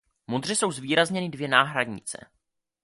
Modře jsou zvýrazněny dvě náhradnice.